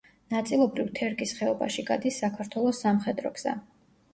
ნაწილობრივ თერგის ხეობაში გადის საქართველოს სამხედრო გზა.